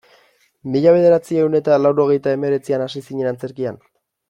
Mila bederatziehun eta laurogeita hemeretzian hasi zinen antzerkian?